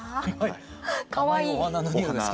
かわいい。